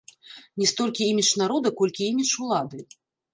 Не столькі імідж народа, колькі імідж улады.